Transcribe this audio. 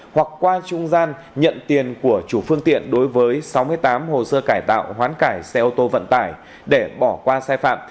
hoặc qua trung gian nhận tiền của chủ phương tiện đối với sáu mươi tám hồ sơ cải tạo hoán cải xe ô tô vận tải để bỏ qua sai phạm